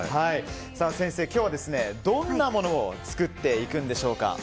先生、今日はどんなものを作っていくんでしょうか？